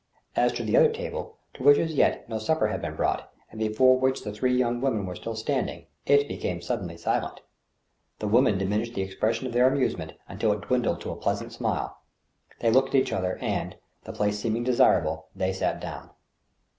As to the other table, to which as yet no supper had been brought, and before which the three young women were still stand* ing, it became suddenly silent. The women diminished the expression of their amusement until it dwindled to a pleasant smile. They looked at each other, and, the place seeming desirable, they sat down.